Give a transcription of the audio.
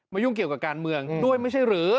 ยุ่งเกี่ยวกับการเมืองด้วยไม่ใช่หรือ